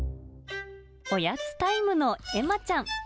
おやつタイムのエマちゃん。